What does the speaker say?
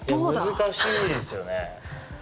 難しいですよね。